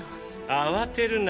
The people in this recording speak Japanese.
慌てるな。